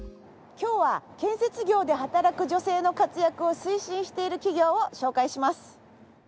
今日は建設業で働く女性の活躍を推進している企業を紹介します。